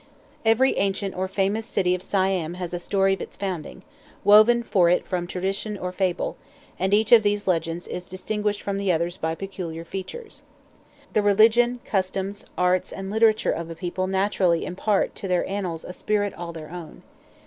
Every ancient or famous city of Siam has a story of its founding, woven for it from tradition or fable; and each of these legends is distinguished from the others by peculiar features. The religion, customs, arts, and literature of a people naturally impart to their annals a spirit all their own.